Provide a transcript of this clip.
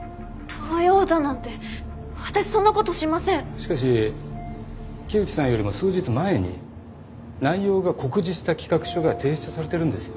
しかし木内さんよりも数日前に内容が酷似した企画書が提出されてるんですよ。